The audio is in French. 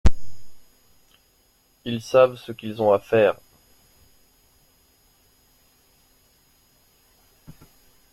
Ils savent ce qu’ils ont à faire.